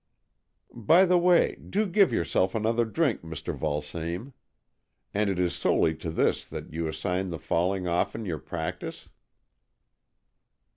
By the way, do give yourself another drink, Mr. Vulsame. And it is solely to this that you assign the falling off in your practice